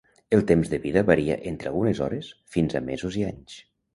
El temps de vida varia entre algunes hores fins a mesos i anys.